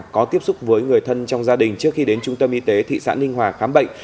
có tiếp xúc với người thân trong gia đình trước khi đến trung tâm y tế thị xã ninh hòa khám bệnh